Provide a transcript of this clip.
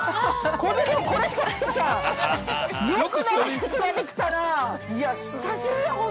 ◆小銭もこれしかないじゃん。